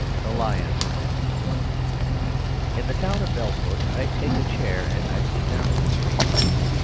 The Lion In the town of Belfort I take a chair and I sit down in the street.